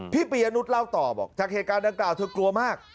พี่ปริยนุชเล่าต่อบอกทางเหตุการณ์ต่างเธอกลัวมาก